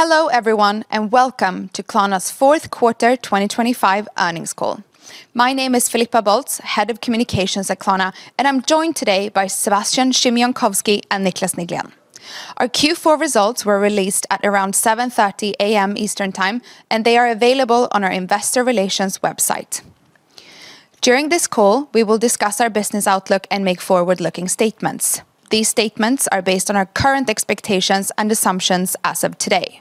Hello, everyone, and welcome to Klarna's Q4 2025 earnings call. My name is Filippa Bolz, Head of Communications at Klarna, and I'm joined today by Sebastian Siemiatkowski and Niclas Neglén. Our Q4 results were released at around 7:30 AM Eastern Time, and they are available on our investor relations website. During this call, we will discuss our business outlook and make forward-looking statements. These statements are based on our current expectations and assumptions as of today.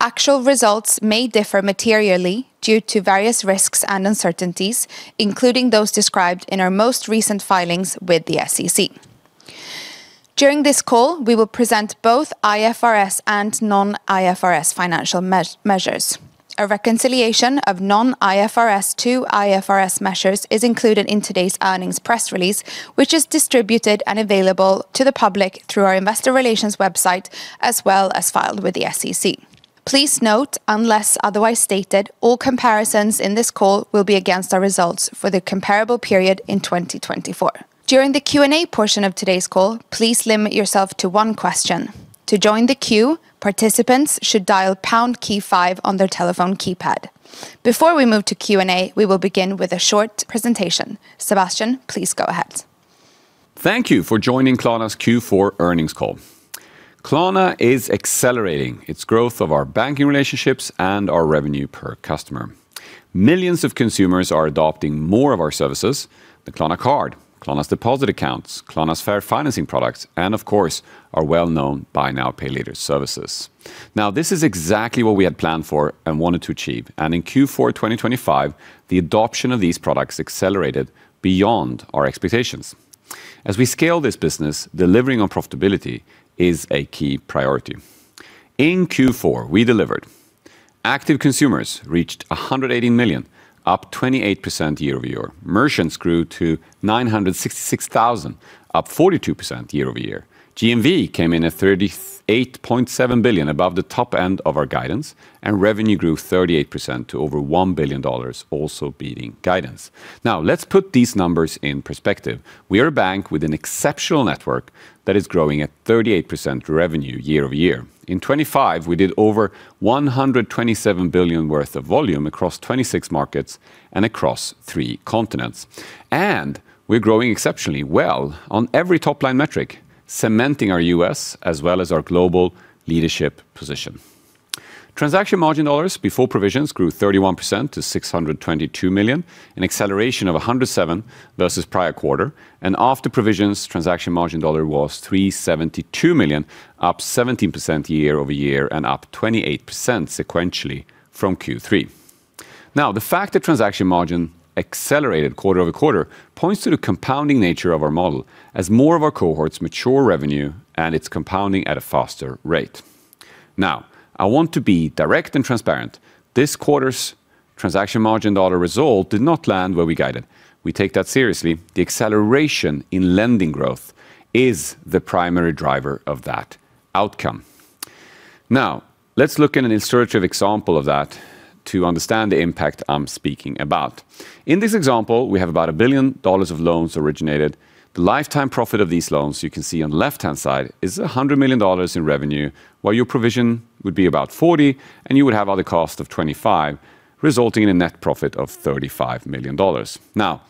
Actual results may differ materially due to various risks and uncertainties, including those described in our most recent filings with the SEC. During this call, we will present both IFRS and non-IFRS financial measures. A reconciliation of non-IFRS to IFRS measures is included in today's earnings press release, which is distributed and available to the public through our investor relations website, as well as filed with the SEC. Please note, unless otherwise stated, all comparisons in this call will be against our results for the comparable period in 2024. During the Q&A portion of today's call, please limit yourself to one question. To join the queue, participants should dial pound key five on their telephone keypad. Before we move to Q&A, we will begin with a short presentation. Sebastian, please go ahead. Thank you for joining Klarna's Q4 earnings call. Klarna is accelerating its growth of our banking relationships and our revenue per customer. Millions of consumers are adopting more of our services, the Klarna Card, Klarna's deposit accounts, Klarna's Fair Financing products, and of course, our well-known Buy Now, Pay Later services. Now, this is exactly what we had planned for and wanted to achieve, and in Q4 2025, the adoption of these products accelerated beyond our expectations. As we scale this business, delivering on profitability is a key priority. In Q4, we delivered. Active consumers reached 118 million, up 28% year-over-year. Merchants grew to 966,000, up 42% year-over-year. GMV came in at $38.7 billion, above the top end of our guidance, and revenue grew 38% to over $1 billion, also beating guidance. Now, let's put these numbers in perspective. We are a bank with an exceptional network that is growing at 38% revenue year-over-year. In 2025, we did over $127 billion worth of volume across 26 markets and across three continents. And we're growing exceptionally well on every top-line metric, cementing our U.S. as well as our global leadership position. Transaction margin dollars before provisions grew 31% to $622 million, an acceleration of 107 versus prior quarter, and after provisions, transaction margin dollar was $372 million, up 17% year-over-year and up 28% sequentially from Q3. Now, the fact that transaction margin accelerated quarter-over-quarter points to the compounding nature of our model as more of our cohorts mature revenue and it's compounding at a faster rate. Now, I want to be direct and transparent. This quarter's transaction margin dollar result did not land where we guided. We take that seriously. The acceleration in lending growth is the primary driver of that outcome. Now, let's look at an illustrative example of that to understand the impact I'm speaking about. In this example, we have about $1 billion of loans originated. The lifetime profit of these loans, you can see on the left-hand side, is $100 million in revenue, while your provision would be about $40 million, and you would have other cost of $25 million, resulting in a net profit of $35 million. Now,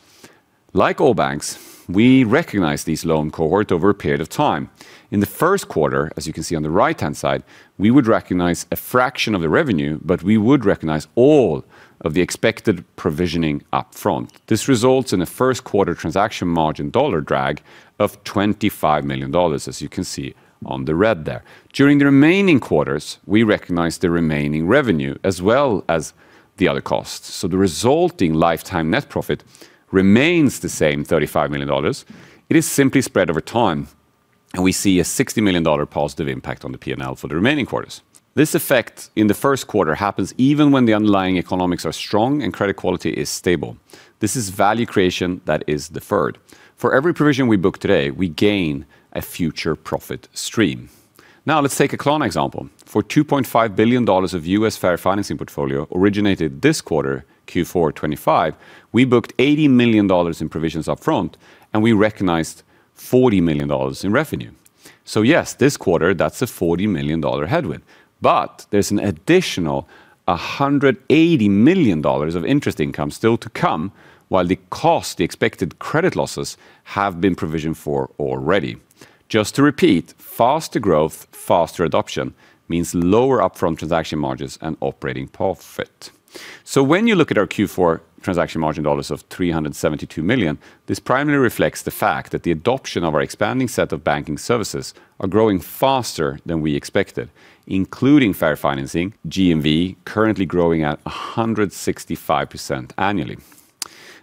like all banks, we recognize this loan cohort over a period of time. In the first quarter, as you can see on the right-hand side, we would recognize a fraction of the revenue, but we would recognize all of the expected provisioning upfront. This results in a first quarter transaction margin dollar drag of $25 million, as you can see on the red there. During the remaining quarters, we recognize the remaining revenue as well as the other costs. So the resulting lifetime net profit remains the same, $35 million. It is simply spread over time, and we see a $60 million positive impact on the P&L for the remaining quarters. This effect in the first quarter happens even when the underlying economics are strong and credit quality is stable. This is value creation that is deferred. For every provision we book today, we gain a future profit stream. Now, let's take a Klarna example. For $2.5 billion of U.S. Fair Financing portfolio originated this quarter, Q4 2025, we booked $80 million in provisions upfront, and we recognized $40 million in revenue. So yes, this quarter, that's a $40 million headwind, but there's an additional $180 million of interest income still to come, while the cost, the expected credit losses, have been provisioned for already. Just to repeat, faster growth, faster adoption, means lower upfront transaction margins and operating profit. So when you look at our Q4 transaction margin dollars of $372 million, this primarily reflects the fact that the adoption of our expanding set of banking services are growing faster than we expected, including fair financing, GMV, currently growing at 165% annually.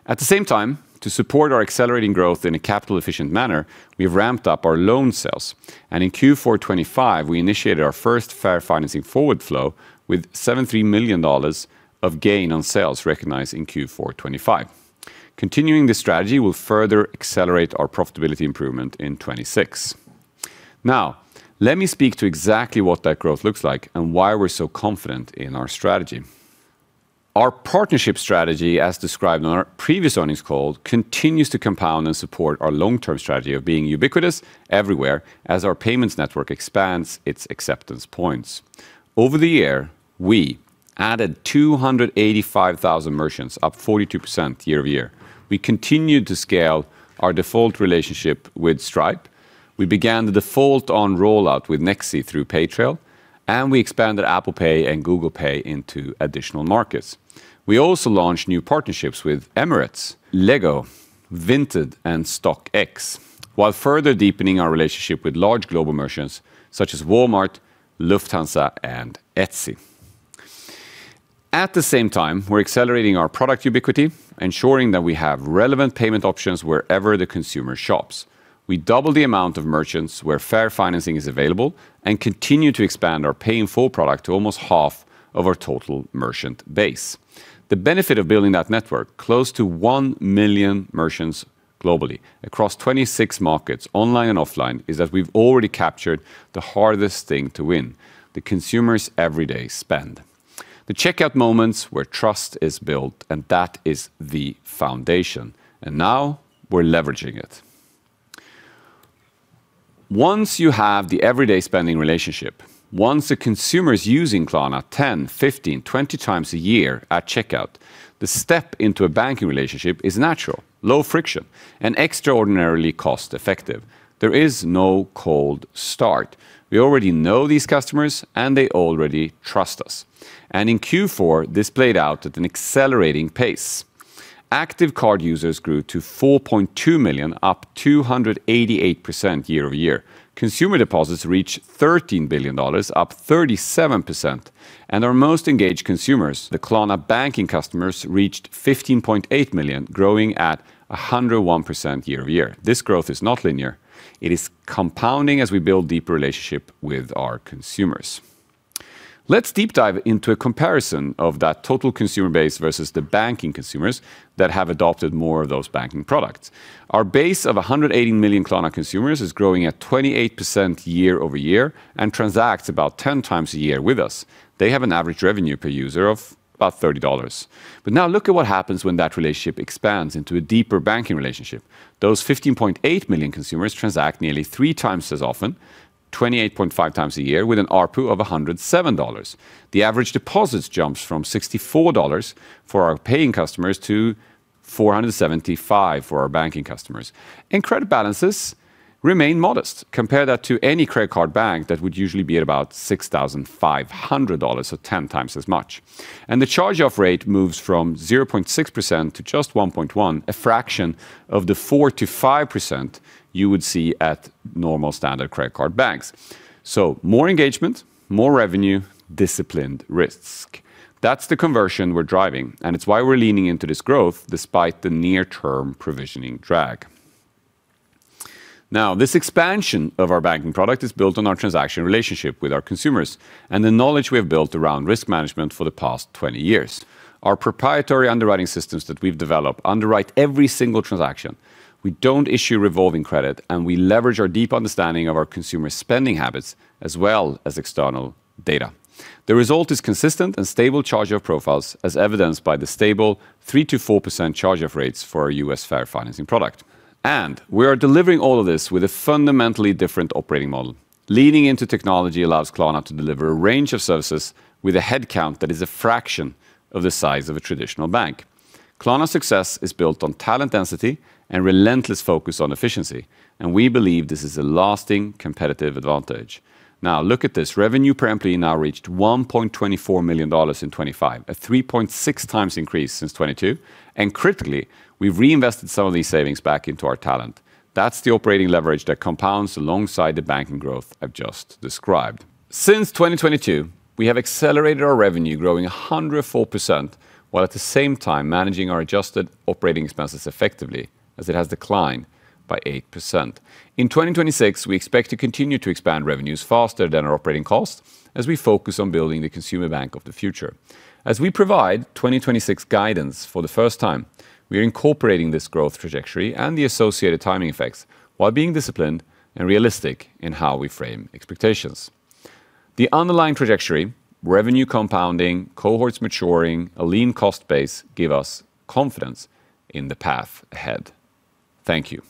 At the same time, to support our accelerating growth in a capital-efficient manner, we've ramped up our loan sales, and in Q4 2025, we initiated our first fair financing forward flow with $73 million of gain on sales recognized in Q4 2025. Continuing this strategy will further accelerate our profitability improvement in 2026. Now, let me speak to exactly what that growth looks like and why we're so confident in our strategy. Our partnership strategy, as described on our previous earnings call, continues to compound and support our long-term strategy of being ubiquitous everywhere as our payments network expands its acceptance points. Over the year, we added 285,000 merchants, up 42% year-over-year. We continued to scale our default relationship with Stripe. We began the default on rollout with Nexi through Paytrail, and we expanded Apple Pay and Google Pay into additional markets. We also launched new partnerships with Emirates, LEGO, Vinted, and StockX, while further deepening our relationship with large global merchants such as Walmart, Lufthansa, and Etsy. At the same time, we're accelerating our product ubiquity, ensuring that we have relevant payment options wherever the consumer shops. We doubled the amount of merchants where fair financing is available and continue to expand our pay-in-full product to almost half of our total merchant base. The benefit of building that network, close to 1 million merchants globally across 26 markets, online and offline, is that we've already captured the hardest thing to win, the consumer's everyday spend, the checkout moments where trust is built, and that is the foundation, and now we're leveraging it. Once you have the everyday spending relationship, once a consumer is using Klarna 10, 15, 20 times a year at checkout, the step into a banking relationship is natural, low friction, and extraordinarily cost-effective. There is no cold start. We already know these customers, and they already trust us. In Q4, this played out at an accelerating pace. Active card users grew to 4.2 million, up 288% year-over-year. Consumer deposits reached $13 billion, up 37%, and our most engaged consumers, the Klarna banking customers, reached 15.8 million, growing at 101% year-over-year. This growth is not linear, it is compounding as we build deeper relationship with our consumers. Let's deep dive into a comparison of that total consumer base versus the banking consumers that have adopted more of those banking products. Our base of 180 million Klarna consumers is growing at 28% year-over-year and transacts about 10 times a year with us. They have an average revenue per user of about $30. But now look at what happens when that relationship expands into a deeper banking relationship. Those 15.8 million consumers transact nearly 3x as often, 28.5x a year, with an ARPU of $107. The average deposits jumps from $64 for our paying customers to $475 for our banking customers, and credit balances remain modest. Compare that to any credit card bank, that would usually be at about $6,500, so 10x as much. And the charge-off rate moves from 0.6% to just 1.1%, a fraction of the 4%-5% you would see at normal standard credit card banks. So more engagement, more revenue, disciplined risk. That's the conversion we're driving, and it's why we're leaning into this growth despite the near-term provisioning drag. Now, this expansion of our banking product is built on our transaction relationship with our consumers and the knowledge we have built around risk management for the past 20 years. Our proprietary underwriting systems that we've developed underwrite every single transaction. We don't issue revolving credit, and we leverage our deep understanding of our consumer spending habits as well as external data. The result is consistent and stable charge-off profiles, as evidenced by the stable 3%-4% charge-off rates for our U.S. fair financing product. We are delivering all of this with a fundamentally different operating model. Leaning into technology allows Klarna to deliver a range of services with a headcount that is a fraction of the size of a traditional bank. Klarna's success is built on talent density and relentless focus on efficiency, and we believe this is a lasting competitive advantage. Now, look at this. Revenue per employee now reached $1.24 million in 2025, a 3.6x increase since 2022, and critically, we've reinvested some of these savings back into our talent. That's the operating leverage that compounds alongside the banking growth I've just described. Since 2022, we have accelerated our revenue, growing 104%, while at the same time managing our adjusted operating expenses effectively as it has declined by 8%. In 2026, we expect to continue to expand revenues faster than our operating costs as we focus on building the consumer bank of the future. As we provide 2026 guidance for the first time, we are incorporating this growth trajectory and the associated timing effects while being disciplined and realistic in how we frame expectations. The underlying trajectory, revenue compounding, cohorts maturing, a lean cost base, give us confidence in the path ahead. Thank you.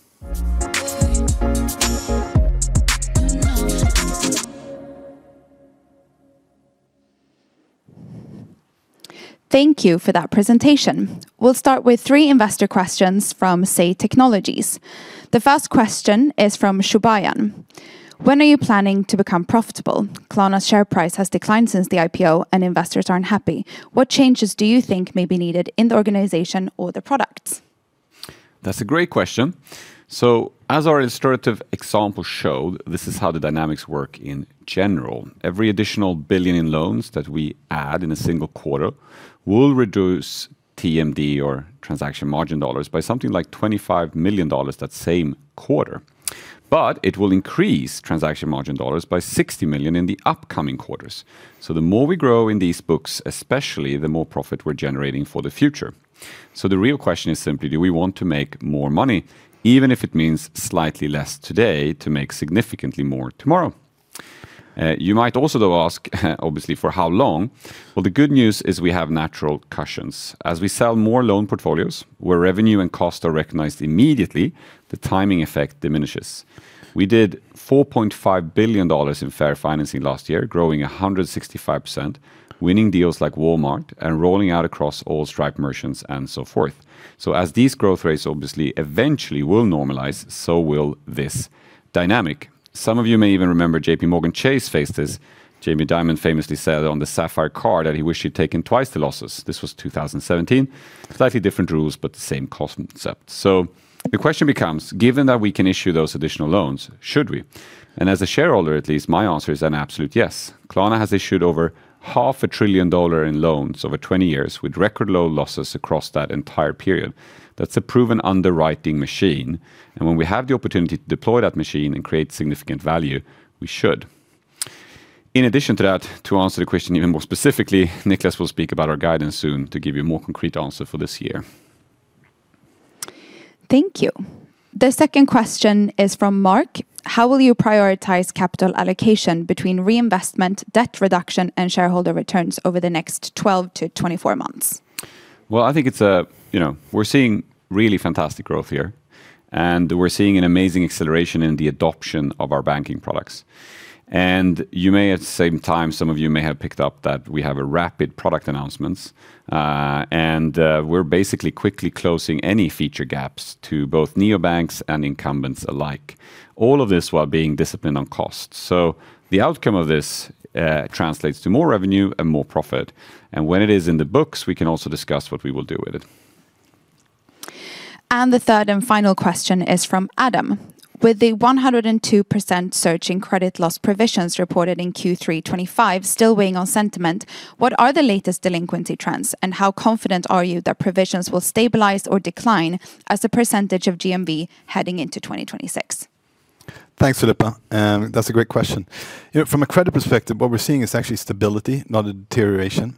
Thank you for that presentation. We'll start with three investor questions from Say Technologies. The first question is from Shubayan: When are you planning to become profitable? Klarna's share price has declined since the IPO, and investors aren't happy. What changes do you think may be needed in the organization or the products? That's a great question. So as our illustrative example showed, this is how the dynamics work in general. Every additional $1 billion in loans that we add in a single quarter will reduce TMD or transaction margin dollars by something like $25 million that same quarter, but it will increase transaction margin dollars by $60 million in the upcoming quarters. So the more we grow in these books, especially, the more profit we're generating for the future. So the real question is simply: Do we want to make more money, even if it means slightly less today, to make significantly more tomorrow? You might also though ask, obviously, for how long? Well, the good news is we have natural cushions. As we sell more loan portfolios, where revenue and cost are recognized immediately, the timing effect diminishes. We did $4.5 billion in fair financing last year, growing 165%, winning deals like Walmart, and rolling out across all Stripe merchants, and so forth. So as these growth rates obviously eventually will normalize, so will this dynamic. Some of you may even remember JPMorgan Chase faced this. Jamie Dimon famously said on the Sapphire card that he wished he'd taken twice the losses. This was 2017. Slightly different rules, but the same concept. So the question becomes: given that we can issue those additional loans, should we? And as a shareholder, at least, my answer is an absolute yes. Klarna has issued over $500 billion in loans over 20 years, with record low losses across that entire period. That's a proven underwriting machine, and when we have the opportunity to deploy that machine and create significant value, we should. In addition to that, to answer the question even more specifically, Niclas will speak about our guidance soon to give you a more concrete answer for this year. Thank you. The second question is from Mark: How will you prioritize capital allocation between reinvestment, debt reduction, and shareholder returns over the next 12-24 months? Well, you know, we're seeing really fantastic growth here, and we're seeing an amazing acceleration in the adoption of our banking products. And you may, at the same time, some of you may have picked up that we have a rapid product announcements, and, we're basically quickly closing any feature gaps to both neobanks and incumbents alike. All of this while being disciplined on cost. So the outcome of this, translates to more revenue and more profit, and when it is in the books, we can also discuss what we will do with it. The third and final question is from Adam: With the 102% surge in credit loss provisions reported in Q3 2025 still weighing on sentiment, what are the latest delinquency trends, and how confident are you that provisions will stabilize or decline as a percentage of GMV heading into 2026? Thanks, Filippa, that's a great question. You know, from a credit perspective, what we're seeing is actually stability, not a deterioration.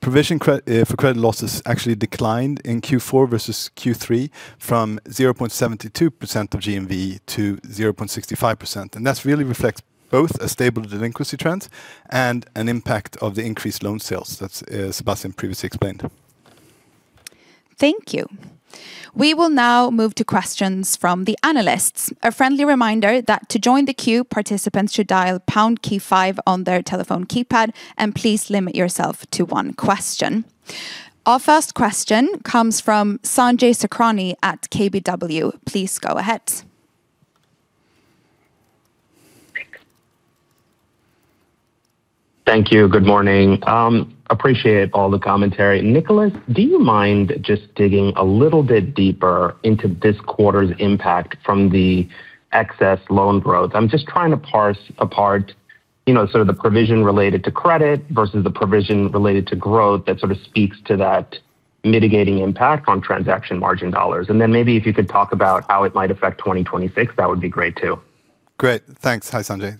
Provision for credit losses actually declined in Q4 versus Q3, from 0.72% of GMV to 0.65%, and that's really reflects both a stable delinquency trend and an impact of the increased loan sales that Sebastian previously explained. Thank you. We will now move to questions from the analysts. A friendly reminder that to join the queue, participants should dial pound key five on their telephone keypad, and please limit yourself to one question. Our first question comes from Sanjay Sakhrani at KBW. Please go ahead. Thank you. Good morning. Appreciate all the commentary. Niclas, do you mind just digging a little bit deeper into this quarter's impact from the excess loan growth? I'm just trying to parse apart, you know, sort of the provision related to credit versus the provision related to growth that sort of speaks to that mitigating impact on Transaction Margin Dollars. And then maybe if you could talk about how it might affect 2026, that would be great, too. Great. Thanks. Hi, Sanjay,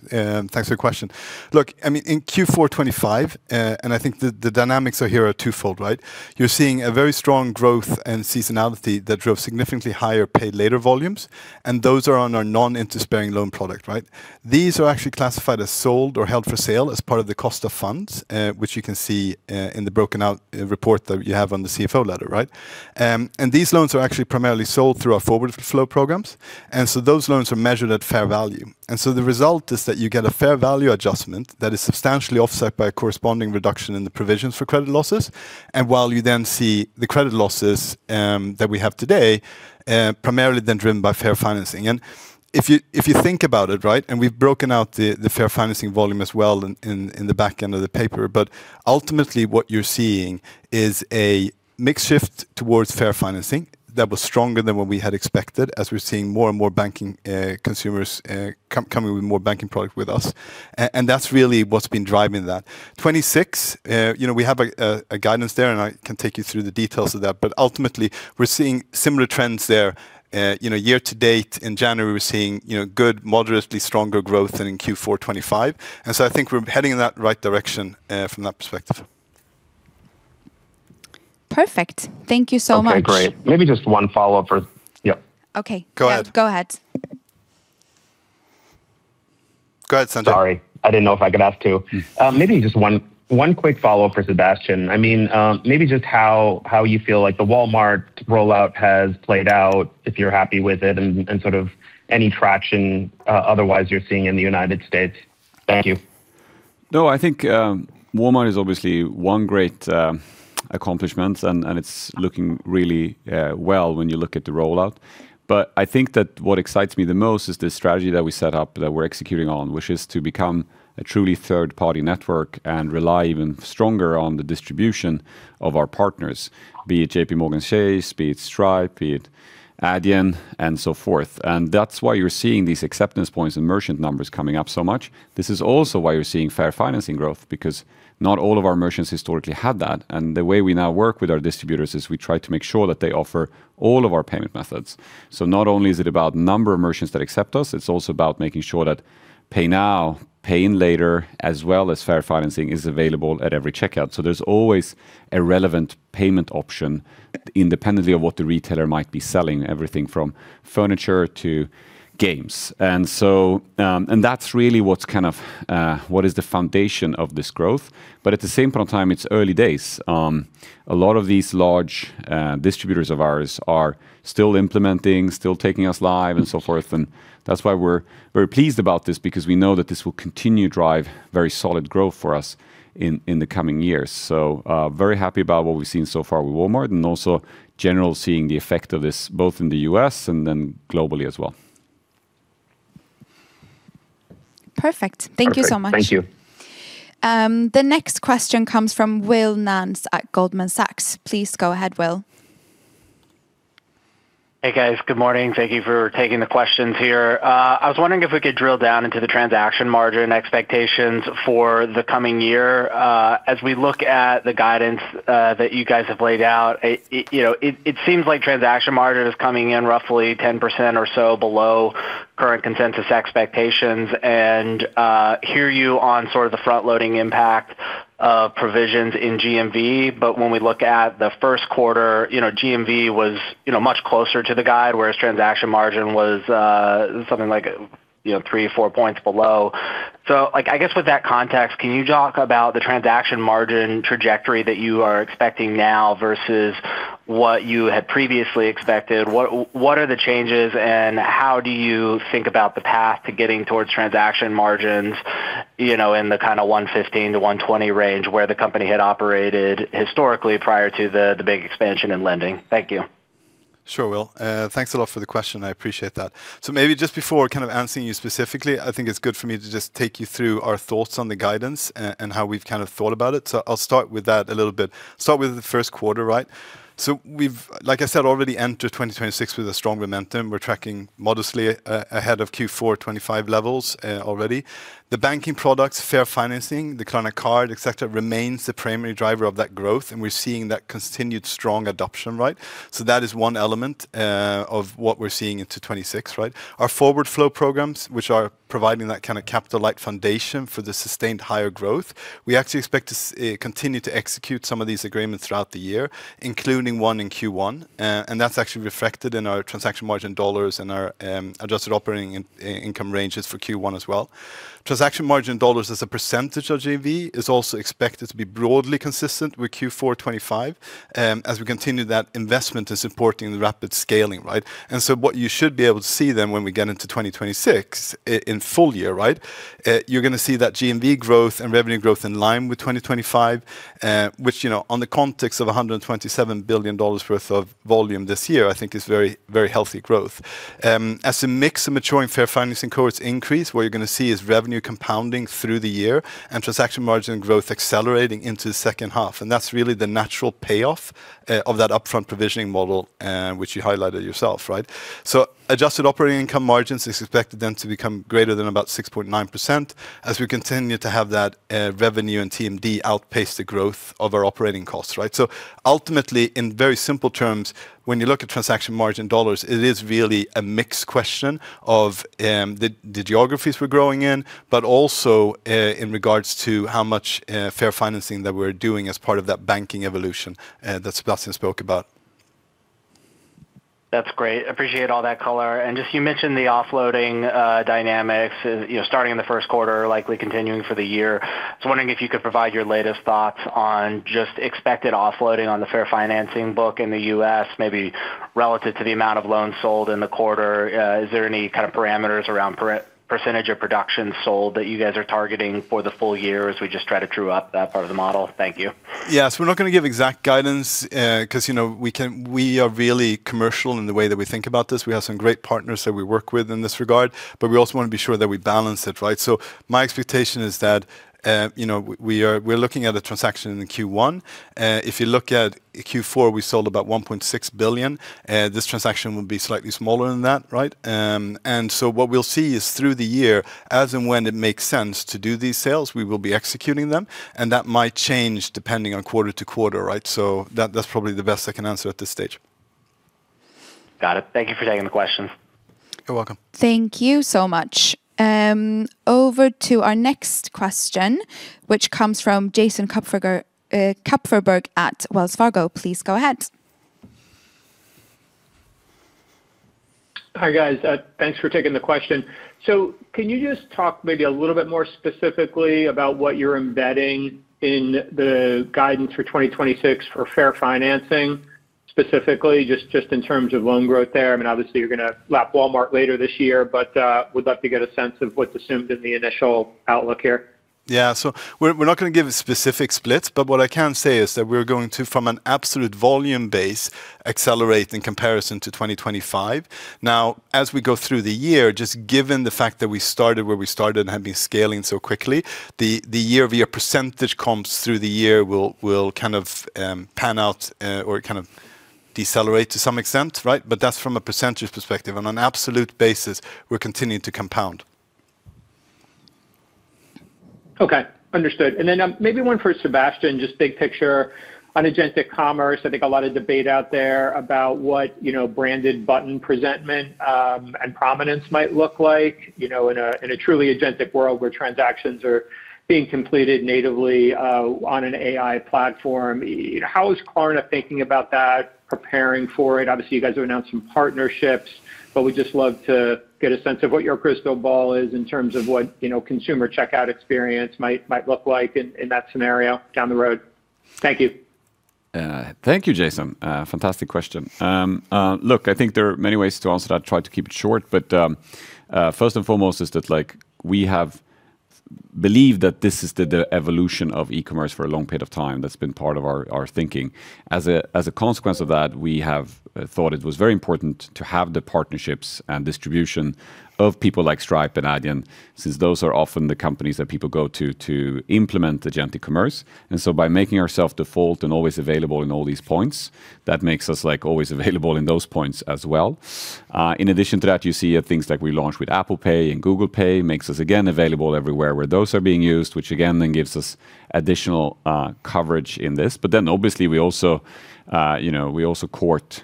thanks for your question. Look, I mean, in Q4 2025, and I think the dynamics here are twofold, right? You're seeing a very strong growth and seasonality that drove significantly higher pay later volumes, and those are on our non-interest-bearing loan product, right? These are actually classified as sold or held for sale as part of the cost of funds, which you can see, in the broken out report that you have on the CFO letter, right? And these loans are actually primarily sold through our Forward Flow programs, and so those loans are measured at fair value. And so the result is that you get a fair value adjustment that is substantially offset by a corresponding reduction in the provisions for credit losses, and while you then see the credit losses that we have today, primarily then driven by fair financing. And if you think about it, right, and we've broken out the fair financing volume as well in the back end of the paper, but ultimately what you're seeing is a mix shift towards fair financing that was stronger than what we had expected, as we're seeing more and more banking consumers coming with more banking product with us. And that's really what's been driving that. 26, you know, we have a guidance there, and I can take you through the details of that, but ultimately, we're seeing similar trends there. You know, year to date, in January, we're seeing, you know, good, moderately stronger growth than in Q4 25, and so I think we're heading in that right direction, from that perspective. Perfect. Thank you so much. Okay, great. Maybe just one follow-up for... Yep. Okay. Go ahead. Go ahead. Go ahead, Sanjay. Sorry. I didn't know if I could ask two? Maybe just one quick follow-up for Sebastian. I mean, maybe just how you feel like the Walmart rollout has played out, if you're happy with it, and sort of any traction otherwise you're seeing in the United States. Thank you. No, I think, Walmart is obviously one great accomplishment, and, and it's looking really well when you look at the rollout. But I think that what excites me the most is the strategy that we set up, that we're executing on, which is to become a truly third-party network and rely even stronger on the distribution of our partners, be it JPMorgan Chase, be it Stripe, be it Adyen, and so forth. And that's why you're seeing these acceptance points and merchant numbers coming up so much. This is also why you're seeing fair financing growth, because not all of our merchants historically had that, and the way we now work with our distributors is we try to make sure that they offer all of our payment methods. So not only is it about number of merchants that accept us, it's also about making sure that pay now, pay in later, as well as fair financing, is available at every checkout. So there's always a relevant payment option independently of what the retailer might be selling, everything from furniture to games. And so, and that's really what's kind of what is the foundation of this growth. But at the same point in time, it's early days. A lot of these large, distributors of ours are still implementing, still taking us live, and so forth, and that's why we're very pleased about this, because we know that this will continue to drive very solid growth for us in the coming years. Very happy about what we've seen so far with Walmart, and also general seeing the effect of this, both in the U.S. and then globally as well. Perfect. Thank you so much. Thank you. The next question comes from Will Nance at Goldman Sachs. Please go ahead, Will. Hey, guys. Good morning. Thank you for taking the questions here. I was wondering if we could drill down into the transaction margin expectations for the coming year. As we look at the guidance that you guys have laid out, you know, it seems like transaction margin is coming in roughly 10% or so below current consensus expectations. And hear you on sort of the front loading impact of provisions in GMV, but when we look at the first quarter, you know, GMV was, you know, much closer to the guide, whereas transaction margin was something like, you know, 3-4 points below. So, like, I guess, with that context, can you talk about the transaction margin trajectory that you are expecting now versus what you had previously expected? What are the changes, and how do you think about the path to getting towards transaction margins, you know, in the kind of 115-120 range, where the company had operated historically prior to the big expansion in lending? Thank you. Sure, Will. Thanks a lot for the question. I appreciate that. So maybe just before kind of answering you specifically, I think it's good for me to just take you through our thoughts on the guidance and how we've kind of thought about it. So I'll start with that a little bit. Start with the first quarter, right? So we've, like I said, already entered 2026 with a strong momentum. We're tracking modestly ahead of Q4 2025 levels already. The banking products, fair financing, the Klarna Card, et cetera, remains the primary driver of that growth, and we're seeing that continued strong adoption, right? So that is one element of what we're seeing into 2026, right? Our forward flow programs, which are providing that kind of capital-like foundation for the sustained higher growth, we actually expect to continue to execute some of these agreements throughout the year, including one in Q1. That's actually reflected in our transaction margin dollars and our adjusted operating income ranges for Q1 as well. Transaction margin dollars as a percentage of GMV is also expected to be broadly consistent with Q4 2025, as we continue that investment in supporting the rapid scaling, right? So what you should be able to see then, when we get into 2026 in full year, right, you're gonna see that GMV growth and revenue growth in line with 2025, which, you know, on the context of $127 billion worth of volume this year, I think is very, very healthy growth. As the mix of maturing fair financing cohorts increase, what you're gonna see is revenue compounding through the year and transaction margin growth accelerating into the second half, and that's really the natural payoff of that upfront provisioning model, which you highlighted yourself, right? So adjusted operating income margins is expected then to become greater than about 6.9%, as we continue to have that revenue and TMD outpace the growth of our operating costs, right? So ultimately, in very simple terms, when you look at transaction margin dollars, it is really a mixed question of, the geographies we're growing in, but also, in regards to how much, fair financing that we're doing as part of that banking evolution, that Sebastian spoke about. That's great. Appreciate all that color. And just you mentioned the offloading dynamics, you know, starting in the first quarter, likely continuing for the year. I was wondering if you could provide your latest thoughts on just expected offloading on the fair financing book in the U.S., maybe relative to the amount of loans sold in the quarter. Is there any kind of parameters around percentage of production sold that you guys are targeting for the full year as we just try to true up that part of the model? Thank you. Yeah. So we're not gonna give exact guidance, 'cause, you know, we are really commercial in the way that we think about this. We have some great partners that we work with in this regard, but we also want to be sure that we balance it, right? So my expectation is that we're looking at a transaction in the Q1. If you look at Q4, we sold about $1.6 billion. This transaction will be slightly smaller than that, right? And so what we'll see is through the year, as and when it makes sense to do these sales, we will be executing them, and that might change depending on quarter to quarter, right? So that, that's probably the best I can answer at this stage. Got it. Thank you for taking the question. You're welcome. Thank you so much. Over to our next question, which comes from Jason Kupferberg at Wells Fargo. Please go ahead. Hi, guys. Thanks for taking the question. So can you just talk maybe a little bit more specifically about what you're embedding in the guidance for 2026 for fair financing, specifically, just, just in terms of loan growth there? I mean, obviously, you're gonna lap Walmart later this year, but would love to get a sense of what's assumed in the initial outlook here. Yeah. So we're not gonna give a specific split, but what I can say is that we're going to, from an absolute volume base, accelerate in comparison to 2025. Now, as we go through the year, just given the fact that we started where we started and have been scaling so quickly, the year-over-year percentage comps through the year will kind of pan out or kind of decelerate to some extent, right? But that's from a percentage perspective. On an absolute basis, we're continuing to compound. Okay. Understood. And then, maybe one for Sebastian, just big picture on agentic commerce. I think a lot of debate out there about what, you know, branded button presentment and prominence might look like, you know, in a truly agentic world where transactions are being completed natively on an AI platform. How is Klarna thinking about that, preparing for it? Obviously, you guys have announced some partnerships, but we'd just love to get a sense of what your crystal ball is in terms of what, you know, consumer checkout experience might look like in that scenario down the road. Thank you. Thank you, Jason. Fantastic question. Look, I think there are many ways to answer that. I've tried to keep it short, but first and foremost is that, like, we believe that this is the evolution of e-commerce for a long period of time. That's been part of our thinking. As a consequence of that, we have thought it was very important to have the partnerships and distribution of people like Stripe and Adyen, since those are often the companies that people go to, implement Agentic Commerce. And so by making ourself default and always available in all these points, that makes us, like, always available in those points as well. In addition to that, you see things like we launched with Apple Pay and Google Pay, makes us again available everywhere where those are being used, which again, then gives us additional coverage in this. But then obviously, we also, you know, we also court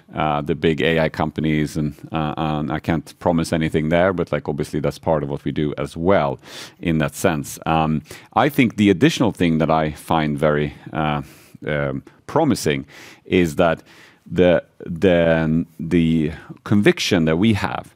the big AI companies, and and I can't promise anything there, but like, obviously, that's part of what we do as well in that sense. I think the additional thing that I find very promising is that the conviction that we have,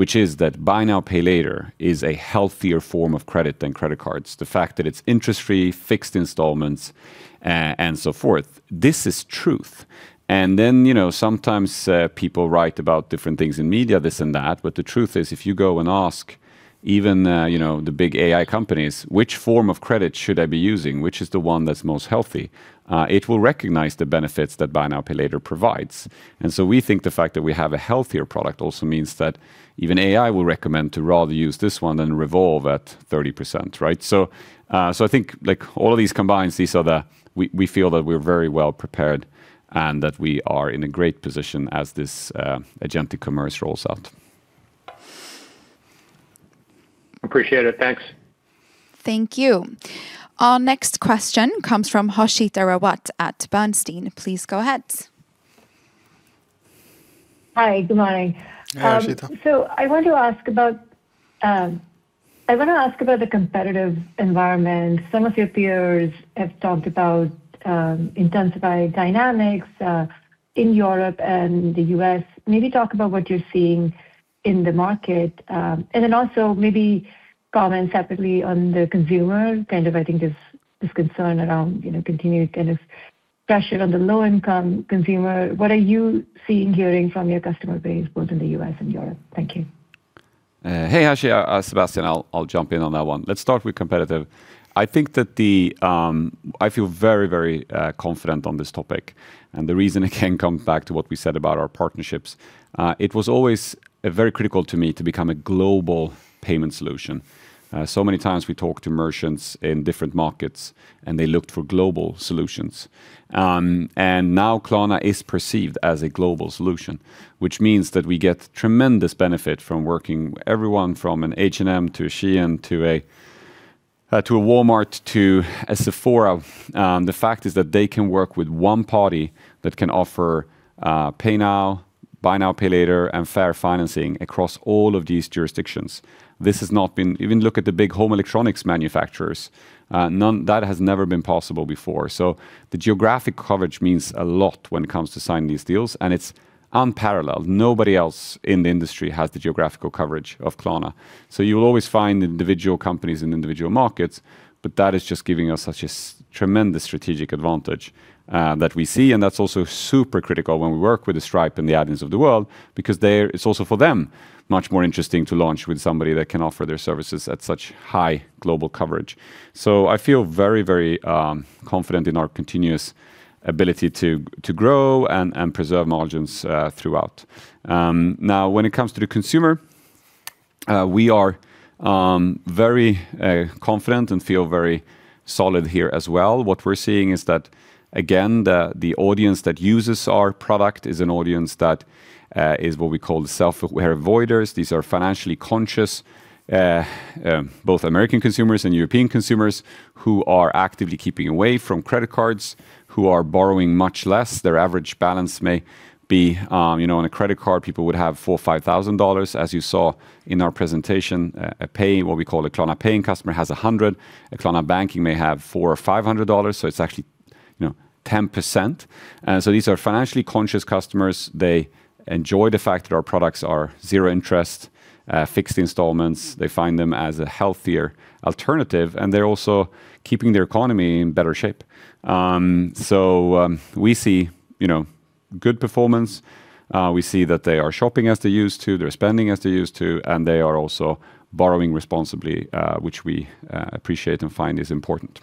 which is that Buy Now, Pay Later, is a healthier form of credit than credit cards. The fact that it's interest-free, fixed installments, and so forth, this is truth. You know, sometimes people write about different things in media, this and that, but the truth is, if you go and ask even the big AI companies, which form of credit should I be using, which is the one that's most healthy, it will recognize the benefits that Buy Now, Pay Later provides. We think the fact that we have a healthier product also means that even AI will recommend to rather use this one than revolve at 30%, right? I think, like, all of these combined, we feel that we're very well prepared and that we are in a great position as this agentic commerce rolls out. Appreciate it. Thanks. Thank you. Our next question comes from Harshita Rawat at Bernstein. Please go ahead. Hi. Good morning. Hi, Harshita. So I want to ask about the competitive environment. Some of your peers have talked about intensified dynamics in Europe and the U.S. Maybe talk about what you're seeing in the market, and then also maybe comment separately on the consumer. Kind of I think there's, there's concern around, you know, continued kind of pressure on the low-income consumer. What are you seeing, hearing from your customer base, both in the U.S. and Europe? Thank you. Hey, Harshita. Sebastian, I'll jump in on that one. Let's start with competitive. I think that the... I feel very, very confident on this topic, and the reason, again, come back to what we said about our partnerships. It was always very critical to me to become a global payment solution. So many times we talked to merchants in different markets, and they looked for global solutions. And now Klarna is perceived as a global solution, which means that we get tremendous benefit from working everyone from an H&M, to a Shein, to a Walmart, to a Sephora. The fact is that they can work with one party that can offer pay now, Buy Now, Pay Later, and fair financing across all of these jurisdictions. This has not been even look at the big home electronics manufacturers, none that has never been possible before. So the geographic coverage means a lot when it comes to signing these deals, and it's unparalleled. Nobody else in the industry has the geographical coverage of Klarna. So you'll always find individual companies in individual markets, but that is just giving us such a tremendous strategic advantage that we see, and that's also super critical when we work with the Stripe and the Adyens of the world, because they, it's also, for them, much more interesting to launch with somebody that can offer their services at such high global coverage. So I feel very, very confident in our continuous ability to grow and preserve margins throughout. Now, when it comes to the consumer, we are very confident and feel very solid here as well. What we're seeing is that, again, the audience that uses our product is an audience that is what we call the self-aware avoiders. These are financially conscious both American consumers and European consumers, who are actively keeping away from credit cards, who are borrowing much less. Their average balance may be, you know, on a credit card, people would have $4,000-$5,000. As you saw in our presentation, what we call a Klarna paying customer, has $100. A Klarna banking may have $400-$500, so it's actually, you know, 10%. So these are financially conscious customers. They enjoy the fact that our products are zero interest, fixed installments. They find them as a healthier alternative, and they're also keeping their economy in better shape. We see, you know, good performance. We see that they are shopping as they used to, they're spending as they used to, and they are also borrowing responsibly, which we appreciate and find is important.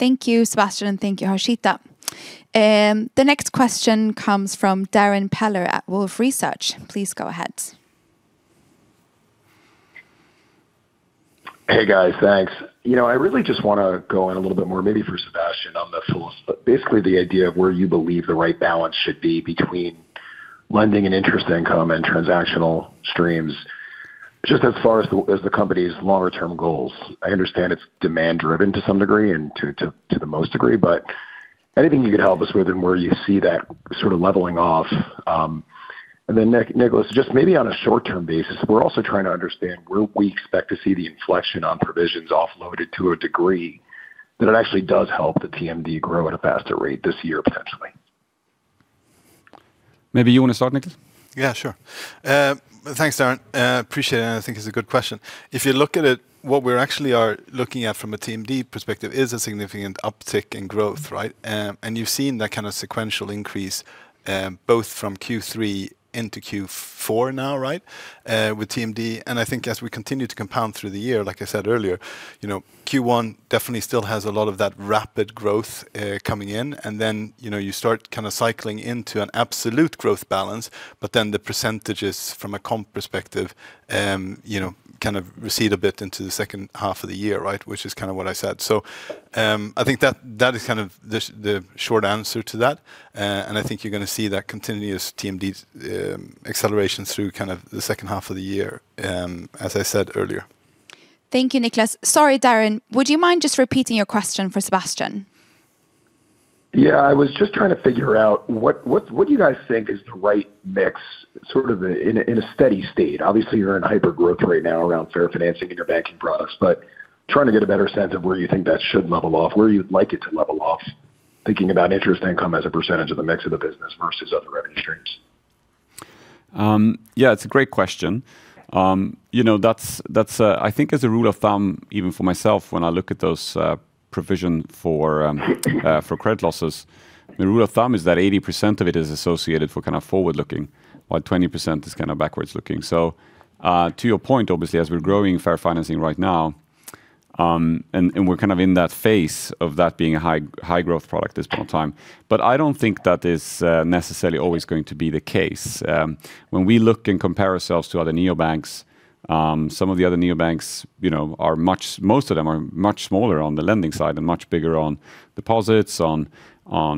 Thank you, Sebastian, and thank you, Harshita. The next question comes from Darrin Peller at Wolfe Research. Please go ahead. Hey, guys, thanks. You know, I really just wanna go in a little bit more, maybe for Sebastian on the tools, but basically the idea of where you believe the right balance should be between lending and interest income and transactional streams, just as far as the company's longer term goals. I understand it's demand driven to some degree, and to the most degree, but anything you could help us with and where you see that sort of leveling off, and then Niclas, just maybe on a short-term basis, we're also trying to understand where we expect to see the inflection on provisions offloaded to a degree, that it actually does help the TMD grow at a faster rate this year? Maybe you want to start, Niclas? Yeah, sure. Thanks, Darrin. Appreciate it, and I think it's a good question. If you look at it, what we're actually are looking at from a TMD perspective is a significant uptick in growth, right? And you've seen that kind of sequential increase, both from Q3 into Q4 now, right, with TMD. And I think as we continue to compound through the year, like I said earlier, you know, Q1 definitely still has a lot of that rapid growth, coming in, and then, you know, you start kind of cycling into an absolute growth balance. But then the percentages from a comp perspective, you know, kind of recede a bit into the second half of the year, right? Which is kind of what I said. So, I think that, that is kind of the, the short answer to that. I think you're gonna see that continuous TMD acceleration through kind of the second half of the year, as I said earlier. Thank you, Niclas. Sorry, Darrin, would you mind just repeating your question for Sebastian? Yeah, I was just trying to figure out what do you guys think is the right mix, sort of in a steady state? Obviously, you're in hypergrowth right now around fair financing and your banking products, but trying to get a better sense of where you think that should level off, where you'd like it to level off, thinking about interest income as a percentage of the mix of the business versus other revenue streams. Yeah, it's a great question. You know, that's, I think as a rule of thumb, even for myself, when I look at those provision for credit losses, the rule of thumb is that 80% of it is associated for kind of forward-looking, while 20% is kind of backwards-looking. To your point, obviously, as we're growing fair financing right now, and we're kind of in that phase of that being a high, high growth product at this point in time. I don't think that is necessarily always going to be the case. When we look and compare ourselves to other neobanks, some of the other neobanks, you know, are much, most of them are much smaller on the lending side and much bigger on deposits, on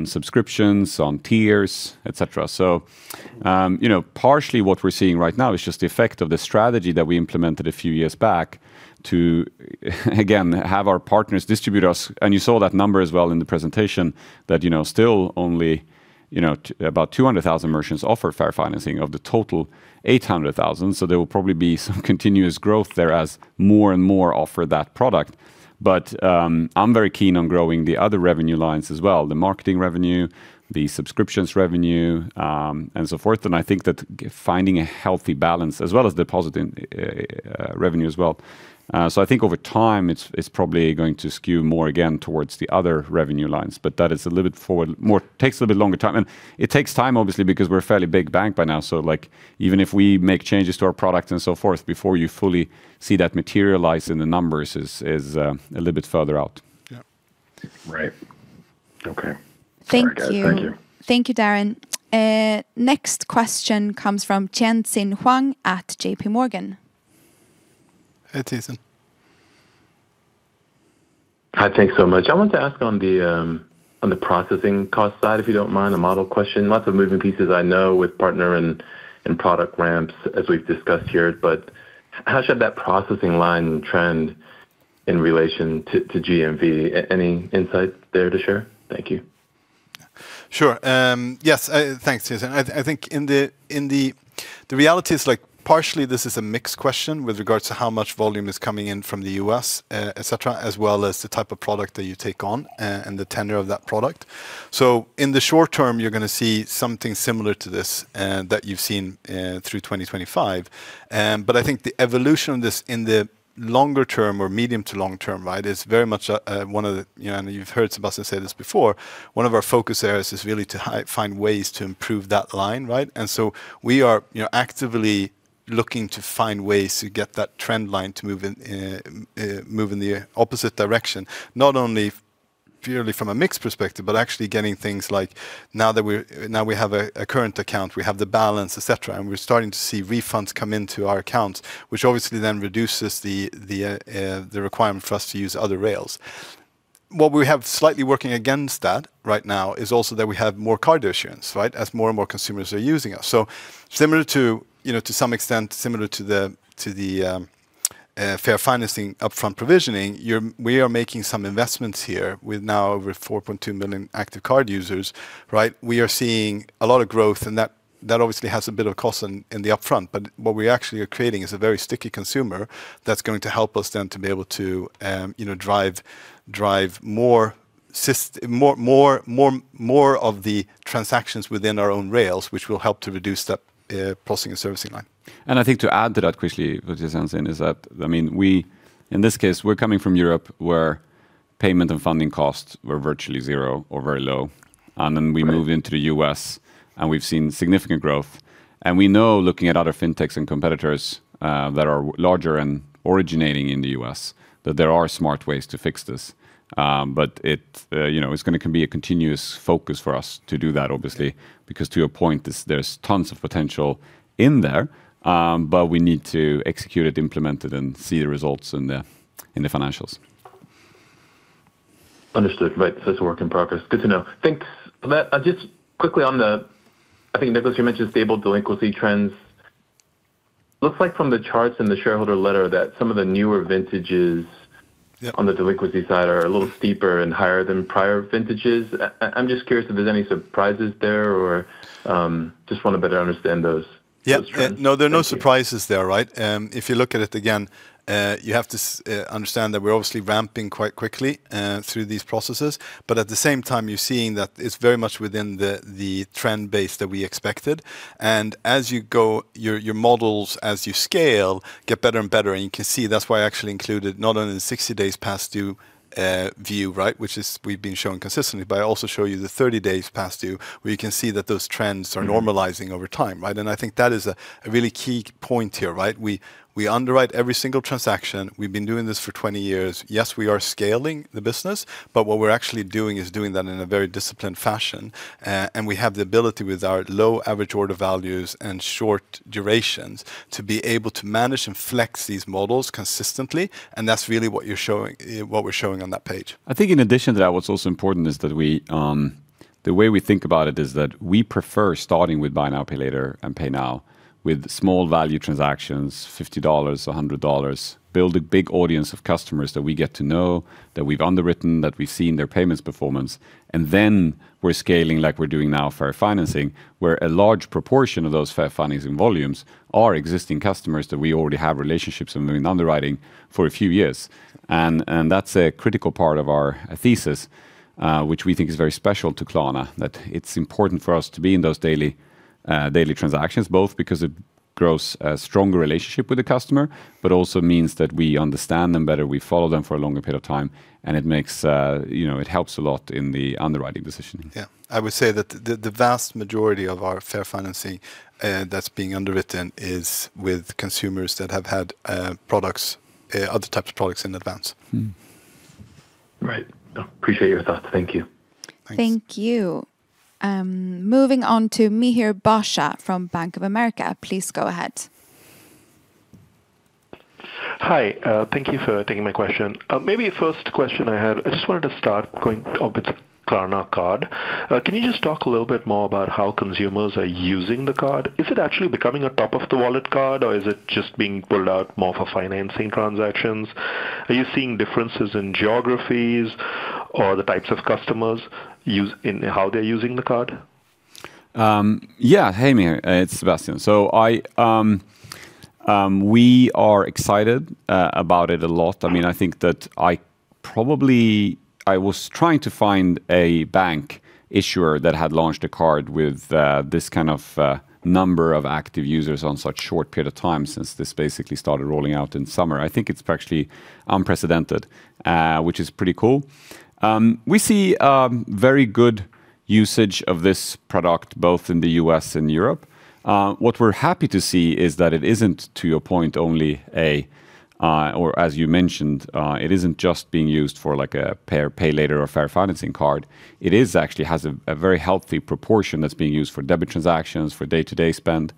subscriptions, on tiers, etc. So, you know, partially what we're seeing right now is just the effect of the strategy that we implemented a few years back to, again, have our partners distribute us. And you saw that number as well in the presentation, that, you know, still only, you know, about 200,000 merchants offer fair financing of the total 800,000. So there will probably be some continuous growth there as more and more offer that product. But, I'm very keen on growing the other revenue lines as well, the marketing revenue, the subscriptions revenue, and so forth. And I think that finding a healthy balance, as well as depositing revenue as well. So, I think over time, it's probably going to skew more again towards the other revenue lines, but that is a little bit forward, more takes a bit longer time. And it takes time, obviously, because we're a fairly big bank by now. So, like, even if we make changes to our product and so forth, before you fully see that materialize in the numbers is a little bit further out. Yeah. Right. Okay. Thank you. Thank you. Thank you, Darrin. Next question comes from Tien-Tsin Huang at JPMorgan. Hi, Tien-Tsin. Hi, thanks so much. I want to ask on the, on the processing cost side, if you don't mind, a model question. Lots of moving pieces I know with partner and, and product ramps, as we've discussed here, but how should that processing line trend in relation to, to GMV? Any insight there to share? Thank you. Sure. Yes, thanks, Tien-Tsin. I think in the reality is like, partially, this is a mixed question with regards to how much volume is coming in from the U.S., etc., as well as the type of product that you take on, and the tenure of that product. So in the short term, you're gonna see something similar to this that you've seen through 2025. But I think the evolution of this in the longer term or medium to long term, right, is very much, one of the, you know, and you've heard Sebastian say this before, one of our focus areas is really to find ways to improve that line, right? And so we are, you know, actively looking to find ways to get that trend line to move in the opposite direction, not only purely from a mix perspective, but actually getting things like now that we're now we have a current account, we have the balance, et cetera, and we're starting to see refunds come into our accounts, which obviously then reduces the requirement for us to use other rails. What we have slightly working against that right now is also that we have more card issuance, right? As more and more consumers are using us. So similar to, you know, to some extent, similar to the fair financing upfront provisioning, we are making some investments here with now over 4.2 million active card users, right? We are seeing a lot of growth, and that obviously has a bit of cost in the upfront, but what we actually are creating is a very sticky consumer that's going to help us then to be able to, you know, drive more of the transactions within our own rails, which will help to reduce that processing and servicing line. I think to add to that quickly, Tien-Tsin, is that, I mean, we, in this case, we're coming from Europe, where payment and funding costs were virtually zero or very low. Right. Then we moved into the U.S., and we've seen significant growth. We know, looking at other fintechs and competitors that are larger and originating in the U.S., that there are smart ways to fix this. But it, you know, it's gonna be a continuous focus for us to do that, obviously, because to your point, there's, there's tons of potential in there, but we need to execute it, implement it, and see the results in the, in the financials. Understood. Right. So it's a work in progress. Good to know. Thanks. But, just quickly on the, I think, Niclas, you mentioned stable delinquency trends. Looks like from the charts in the shareholder letter that some of the newer vintages, on the delinquency side are a little steeper and higher than prior vintages. I, I'm just curious if there's any surprises there or, just wanna better understand those- Yeah. Trends. No, there are no surprises there, right? If you look at it again, you have to understand that we're obviously ramping quite quickly through these processes. But at the same time, you're seeing that it's very much within the, the trend base that we expected. And as you go, your models, as you scale, get better and better. And you can see that's why I actually included not only the 60 days past due view, right, which is we've been showing consistently, but I also show you the 30 days past due, where you can see that those trends are normalizing over time, right? And I think that is a really key point here, right? We underwrite every single transaction. We've been doing this for 20 years. Yes, we are scaling the business, but what we're actually doing is doing that in a very disciplined fashion. And we have the ability, with our low average order values and short durations, to be able to manage and flex these models consistently, and that's really what we're showing on that page. I think in addition to that, what's also important is that we, the way we think about it is that we prefer starting with Buy Now, Pay Later and pay now with small value transactions, $50, $100. Build a big audience of customers that we get to know, that we've underwritten, that we've seen their payments performance, and then we're scaling like we're doing now for our financing, where a large proportion of those fair financings and volumes are existing customers that we already have relationships and been underwriting for a few years. And that's a critical part of our thesis, which we think is very special to Klarna, that it's important for us to be in those daily transactions, both because it grows a stronger relationship with the customer, but also means that we understand them better, we follow them for a longer period of time, and it makes, you know, it helps a lot in the underwriting positioning. Yeah. I would say that the vast majority of our fair financing that's being underwritten is with consumers that have had products, other types of products in advance. Right. Appreciate your thoughts. Thank you. Thanks. Thank you. Moving on to Mihir Bhatia from Bank of America. Please go ahead. Hi. Thank you for taking my question. Maybe first question I had, I just wanted to start going off with Klarna Card. Can you just talk a little bit more about how consumers are using the card? Is it actually becoming a top of the wallet card, or is it just being pulled out more for financing transactions? Are you seeing differences in geographies or the types of customers in how they're using the card? Yeah. Hey, Mihir, it's Sebastian. So, we are excited about it a lot. I mean, I think that I was trying to find a bank issuer that had launched a card with this kind of number of active users on such short period of time, since this basically started rolling out in summer. I think it's actually unprecedented, which is pretty cool. We see very good usage of this product both in the U.S. and Europe. What we're happy to see is that it isn't, to your point, only a or as you mentioned, it isn't just being used for, like, a pay later or fair financing card. It actually has a very healthy proportion that's being used for debit transactions, for day-to-day spend,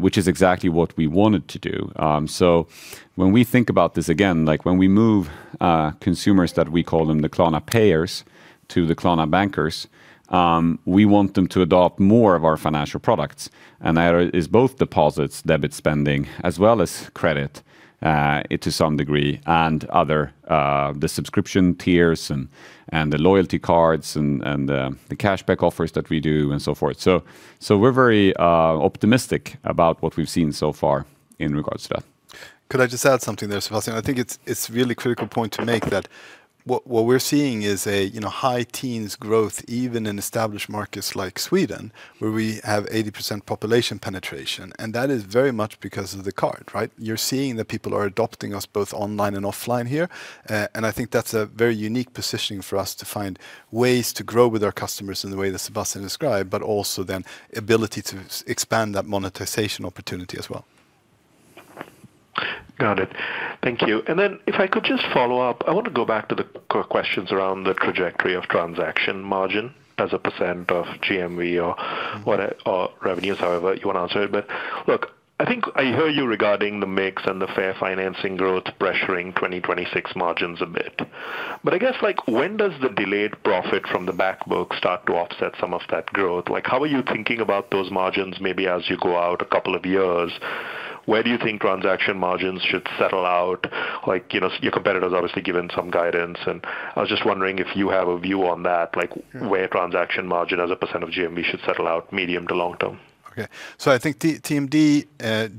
which is exactly what we wanted to do. So when we think about this again, like, when we move consumers that we call them the Klarna payers to the Klarna bankers, we want them to adopt more of our financial products, and that is both deposits, debit spending, as well as credit, to some degree, and other, the subscription tiers and the cashback offers that we do and so forth. So we're very optimistic about what we've seen so far in regards to that. Could I just add something there, Sebastian? I think it's a really critical point to make, that what we're seeing is a, you know, high-teens growth, even in established markets like Sweden, where we have 80% population penetration, and that is very much because of the card, right? You're seeing that people are adopting us both online and offline here. And I think that's a very unique positioning for us to find ways to grow with our customers in the way that Sebastian described, but also then the ability to expand that monetization opportunity as well. Got it. Thank you. And then if I could just follow up, I want to go back to the questions around the trajectory of transaction margin as a % of GMV or revenues, however you want to answer it. But look, I think I hear you regarding the mix and the fair financing growth pressuring 2026 margins a bit. But I guess, like, when does the delayed profit from the back book start to offset some of that growth? Like, how are you thinking about those margins maybe as you go out a couple of years? Where do you think transaction margins should settle out? Like, you know, your competitors obviously given some guidance, and I was just wondering if you have a view on that, like, where transaction margin as a % of GMV should settle out, medium to long term. Okay. So I think TMD,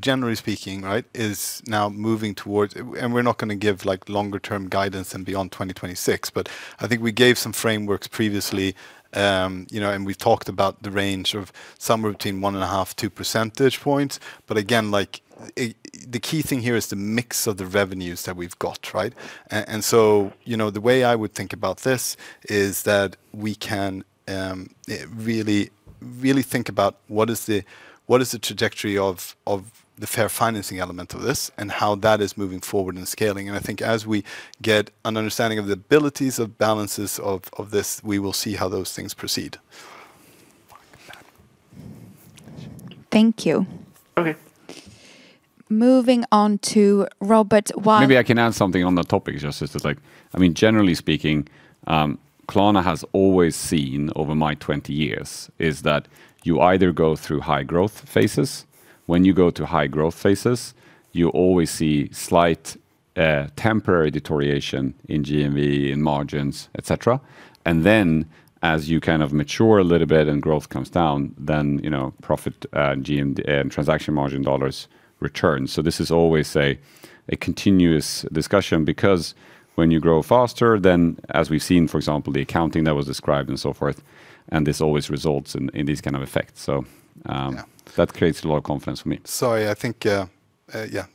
generally speaking, right, is now moving towards, and we're not gonna give, like, longer term guidance than beyond 2026, but I think we gave some frameworks previously. You know, and we've talked about the range of somewhere between 1.5-2 percentage points. But again, like, the key thing here is the mix of the revenues that we've got, right? And so, you know, the way I would think about this is that we can really, really think about what is the, what is the trajectory of the fair financing element of this, and how that is moving forward and scaling. And I think as we get an understanding of the abilities of balances of this, we will see how those things proceed. Thank you. Okay. Moving on to Robert Wildhack. Maybe I can add something on the topic. I mean, generally speaking, Klarna has always seen over my 20 years, is that you either go through high growth phases. When you go through high growth phases, you always see slight temporary deterioration in GMV, in margins, etc. And then, as you kind of mature a little bit and growth comes down, then, you know, profit, GMV, and transaction margin dollars return. So this is always a continuous discussion, because when you grow faster, then as we've seen, for example, the accounting that was described and so forth, and this always results in these kind of effects. So, Yeah. That creates a lot of confidence for me. Sorry, I think, yeah,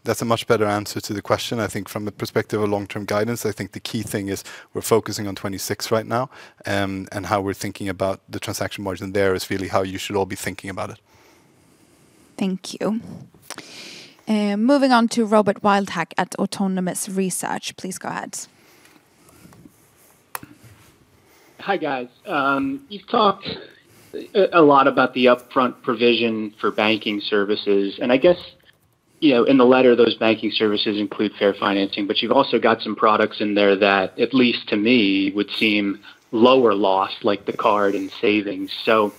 that's a much better answer to the question. I think from the perspective of long-term guidance, I think the key thing is we're focusing on 26 right now. And how we're thinking about the transaction margin there is really how you should all be thinking about it. Thank you. Moving on to Robert Wildhack at Autonomous Research. Please go ahead. Hi, guys. You've talked a lot about the upfront provision for banking services, and I guess, you know, in the letter, those banking services include fair financing, but you've also got some products in there that, at least to me, would seem lower loss, like the card and savings. So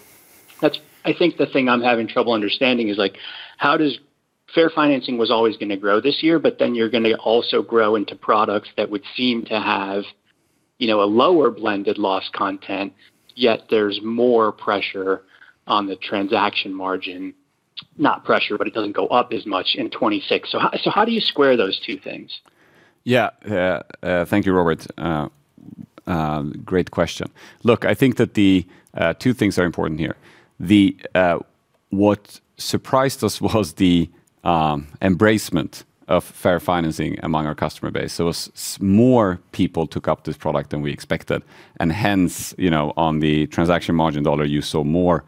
that's, I think the thing I'm having trouble understanding is like, how does fair financing was always gonna grow this year, but then you're gonna also grow into products that would seem to have, you know, a lower blended loss content, yet there's more pressure on the transaction margin. Not pressure, but it doesn't go up as much in 2026. So how, so how do you square those two things? Yeah, thank you, Robert. Great question. Look, I think that the two things are important here. What surprised us was the embracement of fair financing among our customer base. So more people took up this product than we expected, and hence, you know, on the transaction margin dollar, you saw more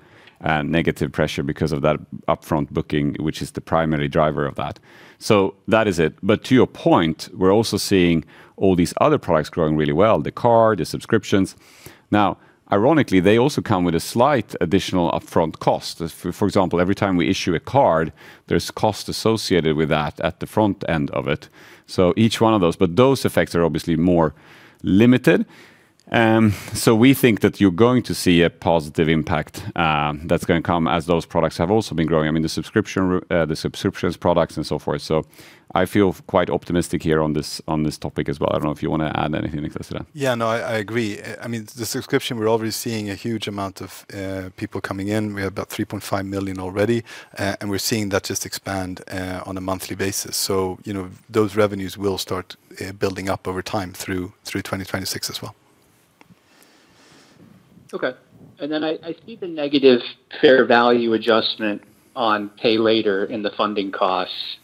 negative pressure because of that upfront booking, which is the primary driver of that. So that is it. But to your point, we're also seeing all these other products growing really well, the card, the subscriptions. Now, ironically, they also come with a slight additional upfront cost. As for example, every time we issue a card, there's cost associated with that at the front end of it, so each one of those. But those effects are obviously more limited. So we think that you're going to see a positive impact, that's gonna come as those products have also been growing. I mean, the subscriptions products and so forth. So I feel quite optimistic here on this, on this topic as well. I don't know if you wanna add anything, Niclas, to that. Yeah. No, I, I agree. I, I mean, the subscription, we're already seeing a huge amount of people coming in. We have about 3.5 million already, and we're seeing that just expand on a monthly basis. So, you know, those revenues will start building up over time through, through 2026 as well. Okay. And then I see the negative fair value adjustment on pay later in the funding costs.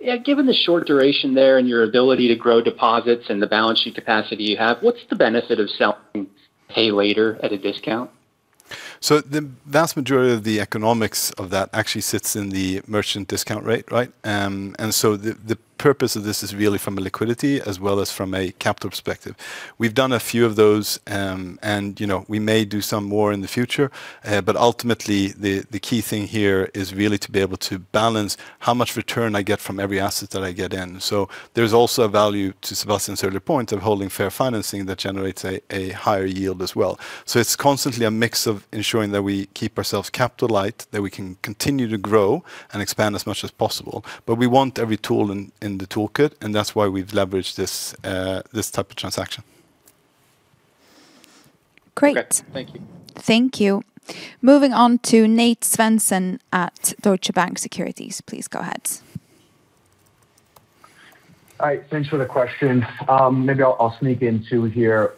Yeah, given the short duration there and your ability to grow deposits and the balance sheet capacity you have, what's the benefit of selling pay later at a discount? So the vast majority of the economics of that actually sits in the merchant discount rate, right? And so the purpose of this is really from a liquidity as well as from a capital perspective. We've done a few of those, and, you know, we may do some more in the future, but ultimately, the key thing here is really to be able to balance how much return I get from every asset that I get in. So there's also a value, to Sebastian's earlier point, of holding fair financing that generates a higher yield as well. So it's constantly a mix of ensuring that we keep ourselves capital light, that we can continue to grow and expand as much as possible. But we want every tool in the toolkit, and that's why we've leveraged this type of transaction. Great. Okay. Thank you. Thank you. Moving on to Nate Svensson at Deutsche Bank Securities. Please go ahead. All right, thanks for the question. Maybe I'll sneak in two here.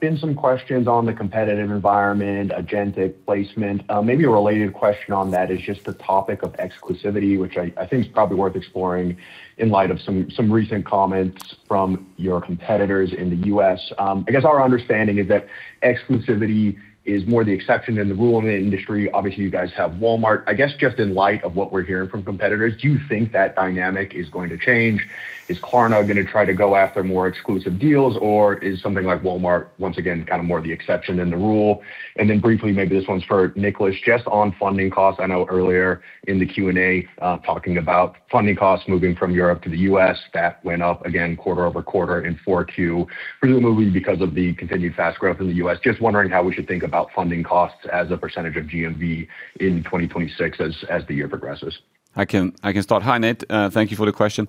Been some questions on the competitive environment, agentic placement. Maybe a related question on that is just the topic of exclusivity, which I think is probably worth exploring in light of some recent comments from your competitors in the U.S. I guess our understanding is that exclusivity is more the exception than the rule in the industry. Obviously, you guys have Walmart. I guess, just in light of what we're hearing from competitors, do you think that dynamic is going to change? Is Klarna gonna try to go after more exclusive deals, or is something like Walmart, once again, kind of more the exception than the rule? And then briefly, maybe this one's for Niclas, just on funding costs. I know earlier in the Q&A, talking about funding costs moving from Europe to the U.S., that went up again quarter-over-quarter in Q4, presumably because of the continued fast growth in the U.S. Just wondering how we should think about funding costs as a % of GMV in 2026 as the year progresses. I can, I can start. Hi, Nate, thank you for the question.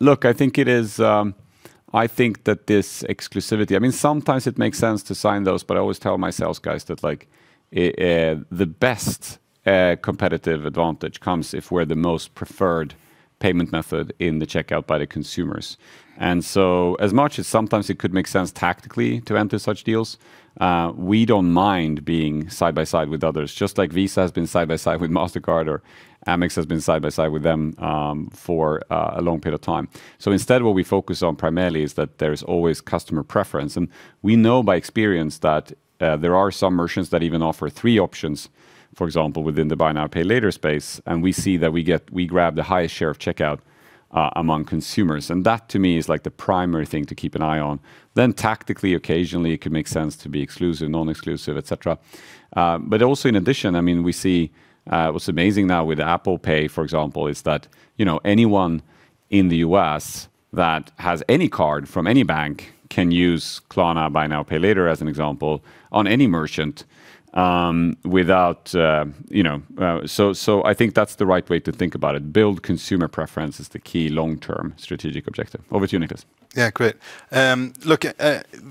Look, I think it is. I think that this exclusivity, I mean, sometimes it makes sense to sign those, but I always tell my sales guys that, like, I, the best competitive advantage comes if we're the most preferred payment method in the checkout by the consumers. And so as much as sometimes it could make sense tactically to enter such deals, we don't mind being side by side with others, just like Visa has been side by side with Mastercard or Amex has been side by side with them, for a long period of time. So instead, what we focus on primarily is that there's always customer preference, and we know by experience that there are some merchants that even offer three options, for example, within the Buy Now, Pay Later space, and we see that we grab the highest share of checkout among consumers. And that, to me, is like the primary thing to keep an eye on. Then tactically, occasionally, it can make sense to be exclusive, non-exclusive, et cetera. But also in addition, I mean, we see what's amazing now with Apple Pay, for example, is that, you know, anyone in the U.S. that has any card from any bank can use Klarna Buy Now, Pay Later, as an example, on any merchant without you know. So I think that's the right way to think about it. Build consumer preference is the key long-term strategic objective. Over to you, Niclas. Yeah, great. Look,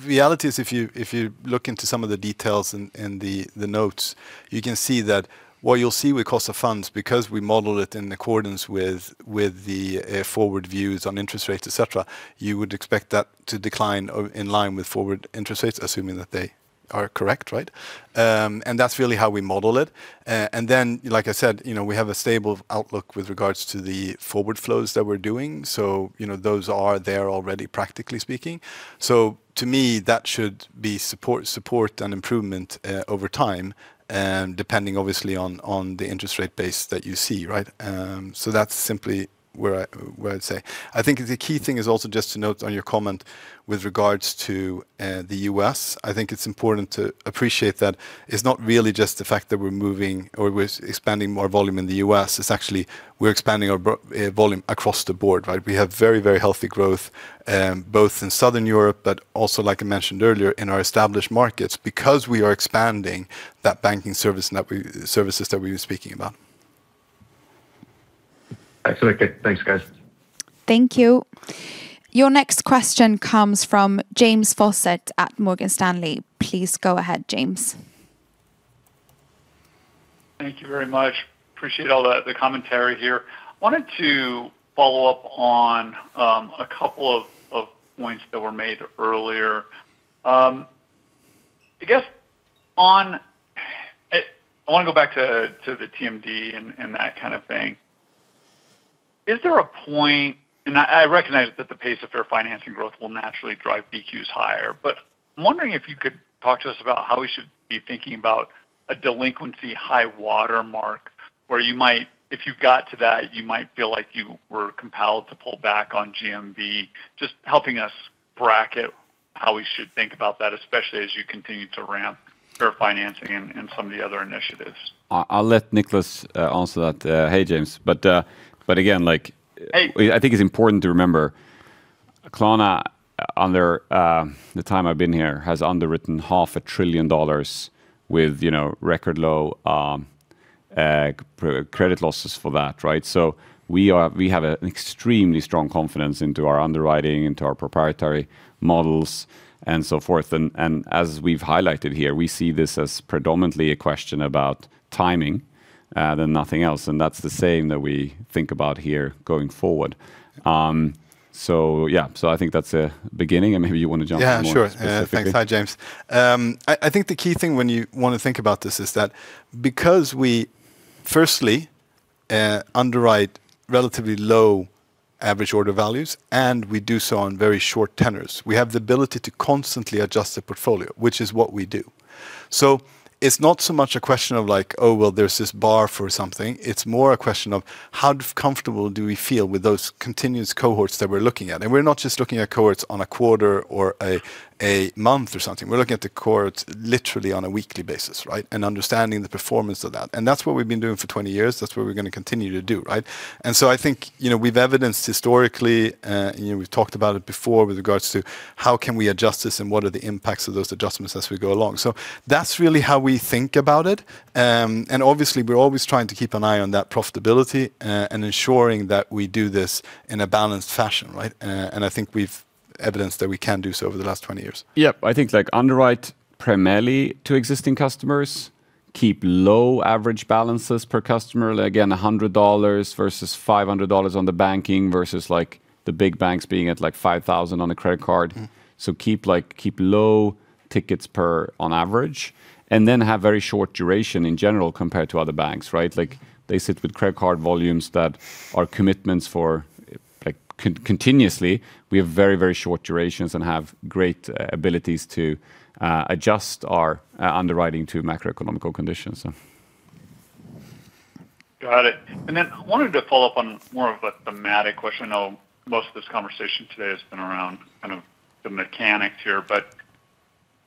reality is if you look into some of the details in the notes, you can see that what you'll see with cost of funds, because we model it in accordance with the forward views on interest rates, etc., you would expect that to decline or in line with forward interest rates, assuming that they are correct, right? And that's really how we model it. And then, like I said, you know, we have a stable outlook with regards to the forward flows that we're doing. So, you know, those are there already, practically speaking. So to me, that should be support, support and improvement over time, depending obviously on the interest rate base that you see, right? So that's simply where I'd say. I think the key thing is also just to note on your comment with regards to the U.S. I think it's important to appreciate that it's not really just the fact that we're moving or we're expanding more volume in the U.S., it's actually we're expanding our volume across the board, right? We have very, very healthy growth both in Southern Europe, but also, like I mentioned earlier, in our established markets, because we are expanding that banking services that we were speaking about. Excellent. Okay, thanks, guys. Thank you. Your next question comes from James Faucette at Morgan Stanley. Please go ahead, James. Thank you very much. Appreciate all the commentary here. Wanted to follow up on a couple of points that were made earlier. I guess I wanna go back to the TMD and that kind of thing. Is there a point, and I recognize that the pace of fair financing growth will naturally drive BQs higher, but I'm wondering if you could talk to us about how we should be thinking about a delinquency high watermark, where you might, if you got to that, you might feel like you were compelled to pull back on GMV. Just helping us bracket how we should think about that, especially as you continue to ramp fair financing and some of the other initiatives. I'll let Niclas answer that. Hey, James. But, but again, like- Hey I think it's important to remember, Klarna, under the time I've been here, has underwritten $500 billion with, you know, record low credit losses for that, right? So we are. We have an extremely strong confidence into our underwriting, into our proprietary models and so forth. And, and as we've highlighted here, we see this as predominantly a question about timing than nothing else, and that's the same that we think about here going forward. So yeah, so I think that's a beginning, and maybe you want to jump in more- Yeah, sure -specifically. Thanks. Hi, James. I think the key thing when you want to think about this is that because we firstly underwrite relatively low average order values, and we do so on very short tenors, we have the ability to constantly adjust the portfolio, which is what we do. So it's not so much a question of like, oh, well, there's this bar for something. It's more a question of how comfortable do we feel with those continuous cohorts that we're looking at? And we're not just looking at cohorts on a quarter or a month or something. We're looking at the cohorts literally on a weekly basis, right? And understanding the performance of that. And that's what we've been doing for 20 years. That's what we're gonna continue to do, right? So I think, you know, we've evidenced historically, you know, we've talked about it before with regards to how can we adjust this and what are the impacts of those adjustments as we go along. So that's really how we think about it. And obviously, we're always trying to keep an eye on that profitability, and ensuring that we do this in a balanced fashion, right? And I think we've evidenced that we can do so over the last 20 years. Yep. I think, like, underwrite primarily to existing customers, keep low average balances per customer. Again, $100 versus $500 on the banking, versus, like, the big banks being at, like, $5,000 on a credit card. So keep, like, keep low tickets per on average, and then have very short duration in general, compared to other banks, right? Like, they sit with credit card volumes that are commitments for, like, continuously. We have very, very short durations and have great abilities to adjust our underwriting to macroeconomic conditions, so. Got it. And then I wanted to follow up on more of a thematic question. I know most of this conversation today has been around kind of the mechanics here, but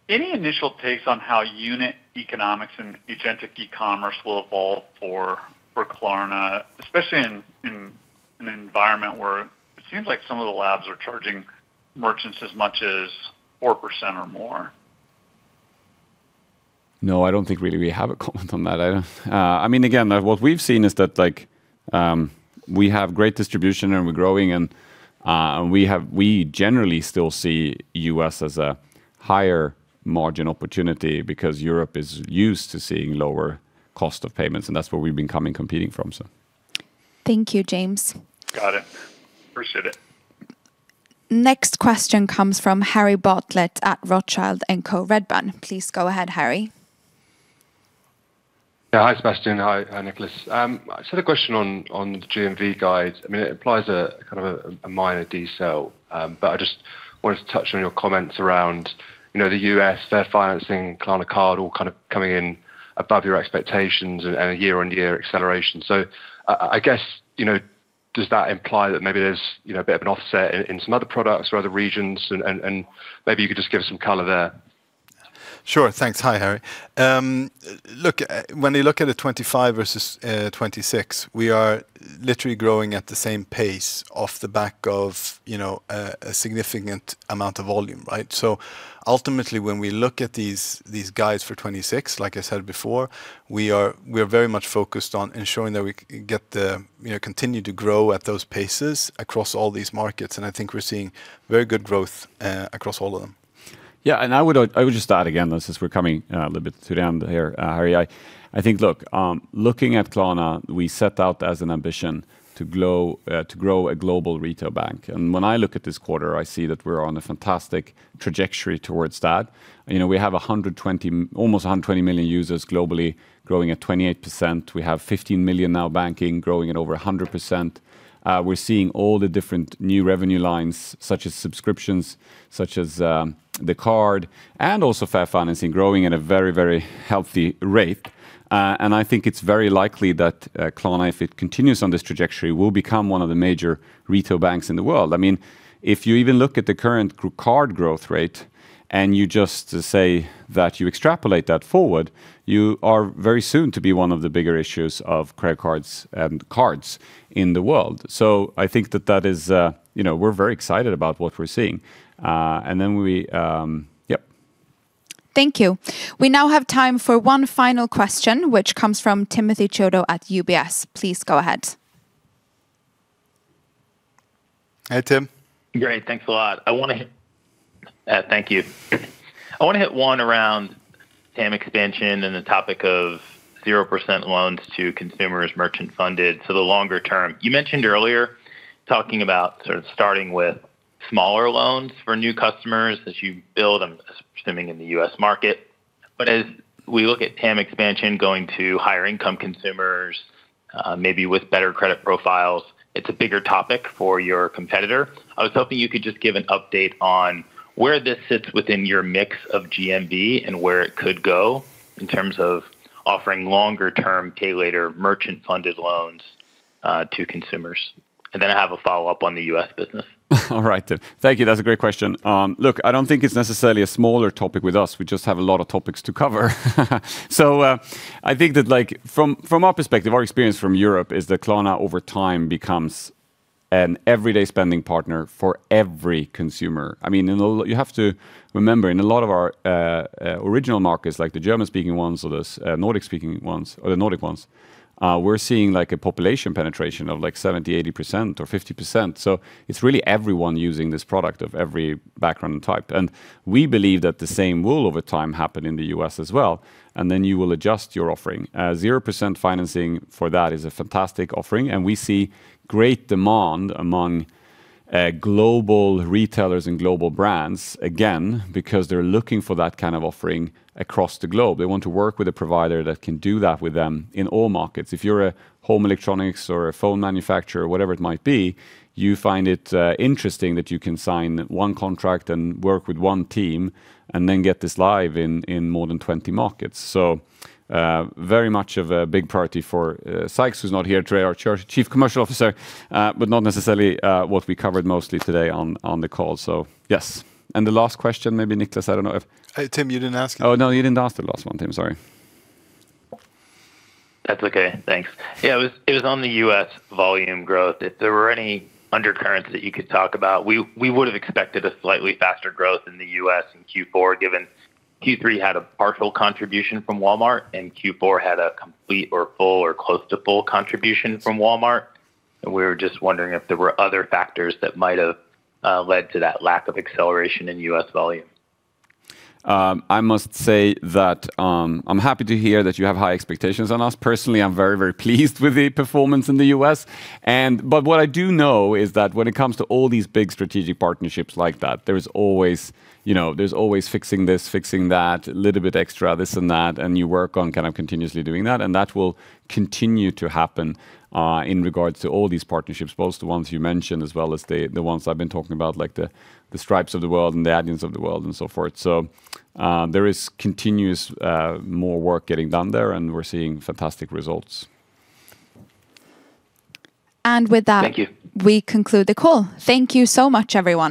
any initial takes on how unit economics and agentic e-commerce will evolve for, for Klarna, especially in, in an environment where it seems like some of the labs are charging merchants as much as 4% or more? No, I don't think really we have a comment on that. I mean, again, what we've seen is that, like, we have great distribution and we're growing and we generally still see U.S. as a higher margin opportunity because Europe is used to seeing lower cost of payments, and that's where we've been coming, competing from, so. Thank you, James. Got it. Appreciate it. Next question comes from Harry Bartlett at Rothschild & Co Redburn. Please go ahead, Harry. Yeah. Hi, Sebastian. Hi, Niclas. I just had a question on the GMV guide. I mean, it implies a kind of minor decel, but I just wanted to touch on your comments around, you know, the U.S., fair financing, Klarna Card, all kind of coming in above your expectations and a year-on-year acceleration. So I guess, you know, does that imply that maybe there's a bit of an offset in some other products or other regions and maybe you could just give us some color there? Sure. Thanks. Hi, Harry. Look, when you look at the 25 versus 26, we are literally growing at the same pace off the back of, you know, a significant amount of volume, right? So ultimately, when we look at these guides for 26, like I said before, we are very much focused on ensuring that we get the, you know, continue to grow at those paces across all these markets, and I think we're seeing very good growth across all of them. Yeah, and I would, I would just add again, though, since we're coming a little bit to the end here, Harry, I think, look, looking at Klarna, we set out as an ambition to grow a global retail bank. When I look at this quarter, I see that we're on a fantastic trajectory towards that. You know, we have almost 120 million users globally, growing at 28%. We have 15 million now banking, growing at over 100%. We're seeing all the different new revenue lines, such as subscriptions, such as the card, and also our financing, growing at a very, very healthy rate. And I think it's very likely that Klarna, if it continues on this trajectory, will become one of the major retail banks in the world. I mean, if you even look at the current card growth rate, and you just say that you extrapolate that forward, you are very soon to be one of the bigger issuers of credit cards and cards in the world. So I think that that is, you know. We're very excited about what we're seeing. And then we. Yep. Thank you. We now have time for one final question, which comes from Timothy Chiodo at UBS. Please go ahead. Hi, Tim. Great. Thanks a lot. I wanna thank you. I wanna hit one around TAM expansion and the topic of 0% loans to consumers, merchant-funded, so the longer term. You mentioned earlier, talking about sort of starting with smaller loans for new customers as you build, I'm assuming, in the U.S. market. But as we look at TAM expansion, going to higher income consumers, maybe with better credit profiles, it's a bigger topic for your competitor. I was hoping you could just give an update on where this sits within your mix of GMV and where it could go in terms of offering longer-term, pay later, merchant-funded loans, to consumers. And then I have a follow-up on the U.S. business. All right, Tim. Thank you. That's a great question. Look, I don't think it's necessarily a smaller topic with us. We just have a lot of topics to cover. So, I think that, like, from, from our perspective, our experience from Europe is that Klarna, over time, becomes an everyday spending partner for every consumer. I mean, and a lot. You have to remember, in a lot of our original markets, like the German-speaking ones or the Nordic-speaking ones, or the Nordic ones, we're seeing, like, a population penetration of, like, 70%, 80% or 50%. So it's really everyone using this product of every background and type. And we believe that the same will, over time, happen in the U.S. as well, and then you will adjust your offering. 0% financing for that is a fantastic offering, and we see great demand among global retailers and global brands, again, because they're looking for that kind of offering across the globe. They want to work with a provider that can do that with them in all markets. If you're a home electronics or a phone manufacturer, whatever it might be, you find it interesting that you can sign one contract and work with one team, and then get this live in more than 20 markets. So, very much of a big priority for Sykes, who's not here today, our Chief Commercial Officer, but not necessarily what we covered mostly today on the call. So yes. And the last question, maybe Niclas, I don't know if- Tim, you didn't ask- Oh, no, you didn't ask the last one, Tim. Sorry. That's okay. Thanks. Yeah, it was, it was on the U.S. volume growth. If there were any undercurrents that you could talk about, we, we would have expected a slightly faster growth in the U.S. in Q4, given Q3 had a partial contribution from Walmart and Q4 had a complete or full or close to full contribution from Walmart. And we were just wondering if there were other factors that might have led to that lack of acceleration in U.S. volume. I must say that, I'm happy to hear that you have high expectations on us. Personally, I'm very, very pleased with the performance in the U.S. But what I do know is that when it comes to all these big strategic partnerships like that, there is always, you know, there's always fixing this, fixing that, a little bit extra, this and that, and you work on kind of continuously doing that, and that will continue to happen, in regards to all these partnerships, both the ones you mentioned as well as the, the ones I've been talking about, like the, the Stripes of the world and the Adyen of the world and so forth. So, there is continuous, more work getting done there, and we're seeing fantastic results. And with that. Thank you We conclude the call. Thank you so much, everyone.